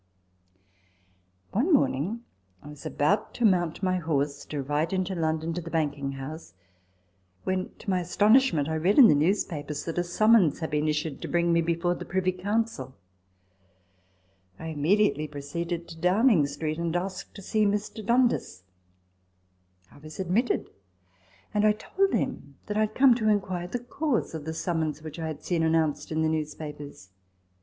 * One morning I was about to mount my horse to ride into London to the banking house, when, to my astonishment, I read in the newspapers that a summons had been issued to bring me before the Privy Council. I immediately proceeded to Downing Street, and asked to see Mr. Dundas. I was admitted ; and I told him that I had come to inquire the cause of the summons which I had seen announced in the newspapers.